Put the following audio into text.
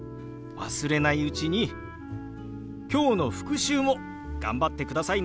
忘れないうちに今日の復習も頑張ってくださいね。